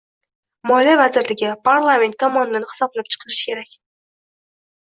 Moliya vazirligi, Parlament tomonidan hisoblab chiqilishi kerak